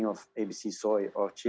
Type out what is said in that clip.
dari abc soy atau chili